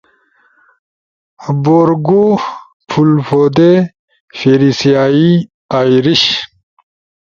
بورگو فُولفودے، فیریسیائی، آئریش